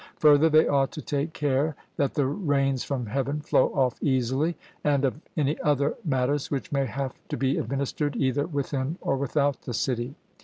Further, they ought to take care that the rains from heaven flow off easily, and of any other matters which may have to be administered either within or without the city.